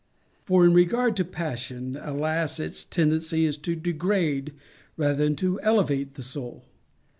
For in regard to passion, alas! its tendency is to degrade rather than to elevate the Soul.